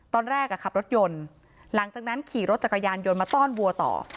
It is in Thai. ตอนแรกขับรถยนต์หลังจากนั้นขี่รถจักรยานยนต์มาต้อนวัวต่อ